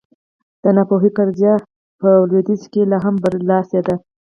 د ناپوهۍ فرضیه په لوېدیځ کې لا هم برلاسې ده.